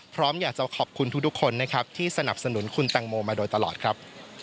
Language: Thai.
พร้อมอยากจะขอบคุณทุกคนนะครับที่สนับสนุนคุณแตงโมมาโดยตลอดครับ